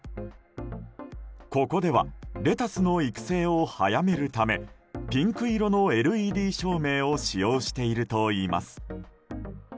ここではレタスの育成を早めるためピンク色のＬＥＤ照明を使用しているといいます。